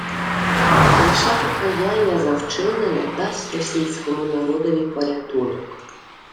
Лише Покаяння за вчинене дасть російському народові порятунок